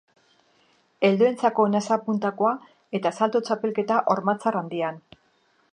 Helduentzako nasapuntakoa eta salto-txapelketa hormatzar handian.